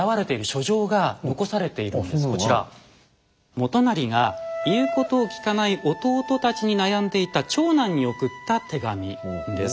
元就が言うことを聞かない弟たちに悩んでいた長男に送った手紙です。